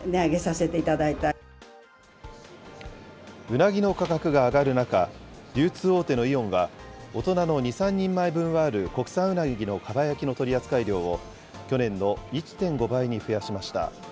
うなぎの価格が上がる中、流通大手のイオンは、大人の２、３人前分はある国産うなぎのかば焼きの取り扱い量を、去年の１．５倍に増やしました。